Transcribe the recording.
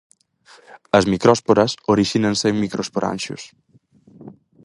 As micrósporas orixínanse en microsporanxios.